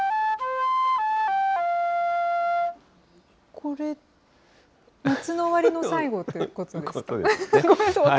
これ、夏の終わりの最後ということですか？